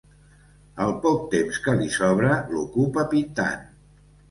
El poc temps que li sobra l'ocupa pintant.